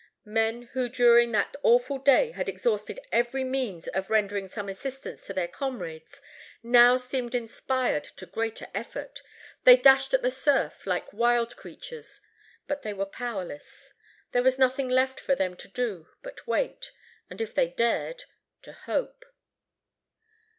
Men who during that awful day had exhausted every means of rendering some assistance to their comrades, now seemed inspired to greater effort. They dashed at the surf like wild creatures; but they were powerless. There was nothing left for them to do but wait; and, if they dared, to hope.